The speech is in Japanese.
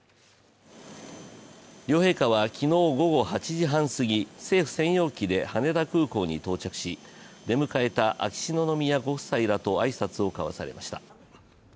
両陛下は昨日午後８時半すぎ、政府専用機で羽田空港に到着し、出迎えた秋篠宮ご夫妻らと挨拶を交わされました。